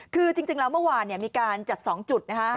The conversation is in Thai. คือจริงแล้วเมื่อวานมีการจัด๒จุดนะคะ